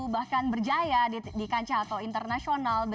bahkan berjaya di kancah atau internasional